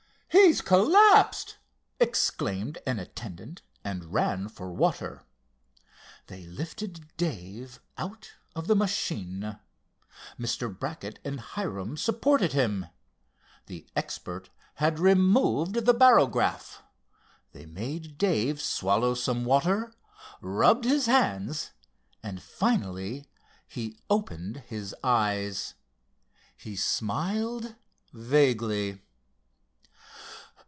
"He's collapsed!" exclaimed an attendant and ran for water. They lifted Dave out of the machine. Mr. Brackett and Hiram supported him. The expert had removed the barograph. They made Dave swallow some water, rubbed his hands, and finally he opened his eyes. He smiled vaguely.